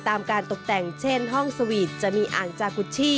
ตามการตกแต่งเช่นห้องสวีทจะมีอ่างจากุชชี่